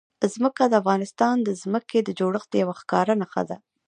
ځمکه د افغانستان د ځمکې د جوړښت یوه ښکاره نښه ده.